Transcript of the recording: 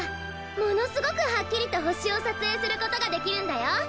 ものすごくはっきりとほしをさつえいすることができるんだよ。